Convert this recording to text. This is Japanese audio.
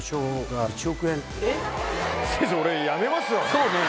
そうね。